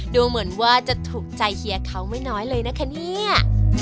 ดูเหมือนว่าจะถูกใจเฮียเขาไม่น้อยเลยนะคะเนี่ย